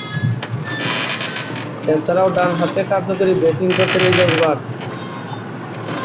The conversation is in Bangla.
এছাড়াও, ডানহাতে কার্যকরী ব্যাটিং করতেন ইজাজ বাট।